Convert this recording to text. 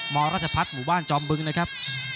มรัชพัฒน์หมู่บ้านจอมบึงนะครับ